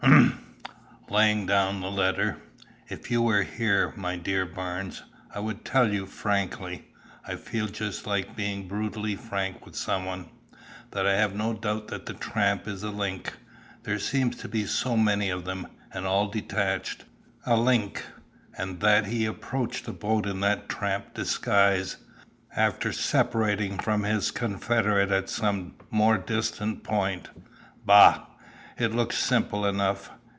"Umph!" laying down the letter. "If you were here, my dear Barnes, I would tell you frankly I feel just like being brutally frank with some one that I have no doubt that the tramp is a link there seems to be so many of them, and all detached a link and that he approached the boat in that tramp disguise, after separating from his confederate at some more distant point. Bah! It looks simple enough.